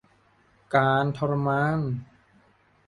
การทรมาน